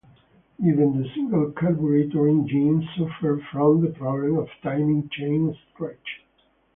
Even the single-carburettor engine suffered from the problem of timing chain stretch.